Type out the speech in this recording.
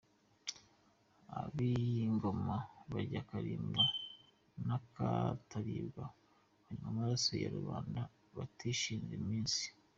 Abiyingoma barya akaribwa n’akataribwa, banywa amaraso ya rubanda batishinze iminsi.